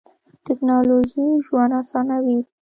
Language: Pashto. ټیکنالوژی ژوند اسانوی.